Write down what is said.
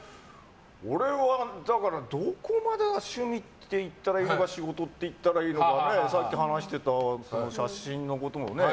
俺は、どこまでが趣味って言ったらいいのか仕事って言ったらいいのかさっき話してた写真のこともね。